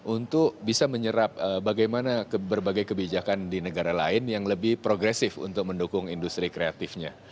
untuk bisa menyerap bagaimana berbagai kebijakan di negara lain yang lebih progresif untuk mendukung industri kreatifnya